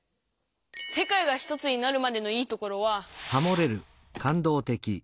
「世界がひとつになるまで」の「いいところ」は。